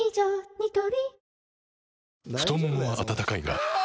ニトリ太ももは温かいがあ！